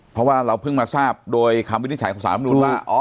เพราะว่าเราเพิ่งมาทราบด้วยคำวิธีจ่ายของสารมีกรุณต์ว่า